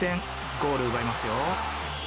ゴールを奪いますよ。